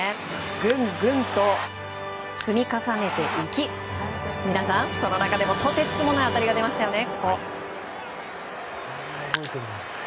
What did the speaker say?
ぐんぐんと積み重ねていき皆さん、その中でもとてつもない当たりが出ましたよね。